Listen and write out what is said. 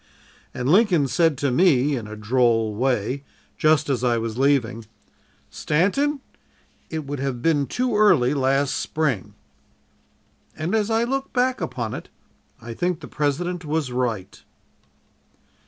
"And Lincoln said to me in a droll way, just as I was leaving, 'Stanton, it would have been too early last Spring.' "And as I look back upon it, I think the President was right."